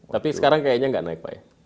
tapi sekarang kayaknya nggak naik pak ya